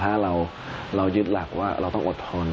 ถ้าเรายึดหลักว่าเราต้องอดทน